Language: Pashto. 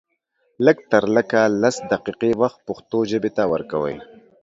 لږ تر لږه لس دقيقې وخت پښتو ژبې ته ورکوئ